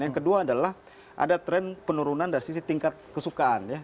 yang kedua adalah ada tren penurunan dari sisi tingkat kesukaan ya